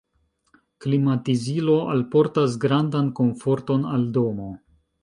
Klimatizilo alportas grandan komforton al domo.